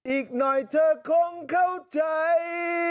อีกหน่อยเธอคงเข้าใจ